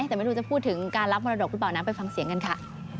แต่ไม่รู้จะพูดถึงการรับมรดกหรือเปล่านะไปฟังเสียงกันค่ะ